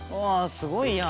すごいやん。